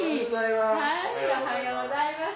おはようございます。